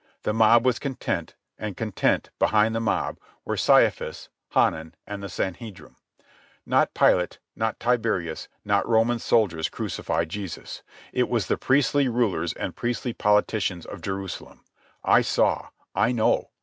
The mob was content, and content, behind the mob, were Caiaphas, Hanan, and the Sanhedrim. Not Pilate, not Tiberius, not Roman soldiers crucified Jesus. It was the priestly rulers and priestly politicians of Jerusalem. I saw. I know.